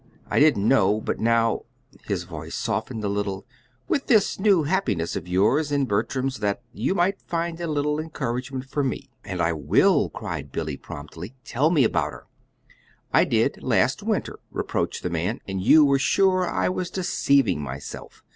"I didn't know but now " his voice softened a little "with this new happiness of yours and Bertram's that you might find a little encouragement for me." "And I will," cried Billy, promptly. "Tell me about her." "I did last winter," reproached the man, "and you were sure I was deceiving myself.